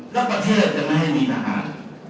แล้วปะเทศจะไม่ให้มีทหาร